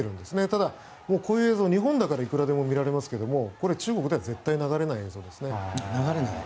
ただ、こういう映像は日本ではいくらでも見られますが中国では絶対流れない映像ですね。